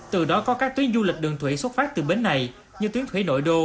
từ đó có các tuyến du lịch đường thủy xuất phát từ bến này như tuyến thủy nội đô